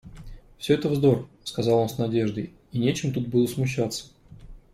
Всё это вздор, — сказал он с надеждой, — и нечем тут было смущаться!